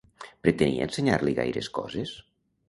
Pretenia ensenyar-li gaires coses?